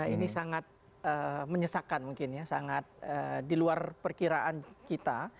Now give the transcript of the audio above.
ini sangat menyesakan mungkin ya sangat di luar perkiraan kita